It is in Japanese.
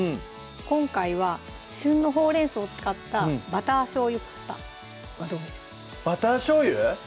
今回は旬のほうれん草を使った「バター醤油パスタ」はどうでしょうバター醤油？